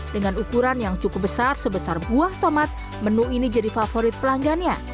dengan ukuran yang cukup besar sebesar buah tomat menu ini jadi favorit pelanggannya